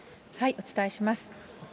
お伝えします。